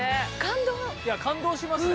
いや感動しますね